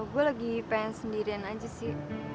gue lagi pengen sendirian aja sih